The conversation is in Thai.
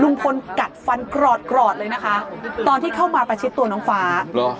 กัดฟันกรอดกรอดเลยนะคะตอนที่เข้ามาประชิดตัวน้องฟ้าเหรอ